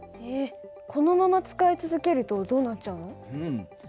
えっこのまま使い続けるとどうなっちゃうの？